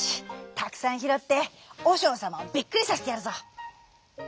たくさんひろっておしょうさまをびっくりさせてやるぞ！」。